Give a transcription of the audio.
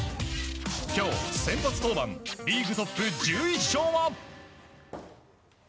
今日、先発登板リーグトップ１１勝は？